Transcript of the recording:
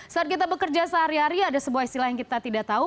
saat kita bekerja sehari hari ada sebuah istilah yang kita tidak tahu